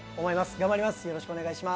頑張ります。